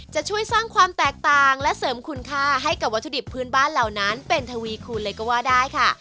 จะช่วยสร้างความแตกต่างและเสริมคุณค่าให้กับวัตถุดิบพื้นบ้านเหล่านั้นเป็นทวีคูณเลยก็ว่าได้ค่ะ